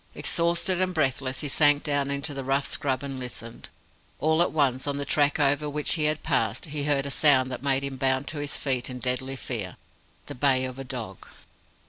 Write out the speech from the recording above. Exhausted and breathless, he sank down into the rough scrub and listened. All at once, on the track over which he had passed, he heard a sound that made him bound to his feet in deadly fear the bay of a dog!